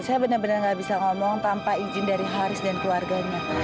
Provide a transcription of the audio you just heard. saya benar benar gak bisa ngomong tanpa izin dari haris dan keluarganya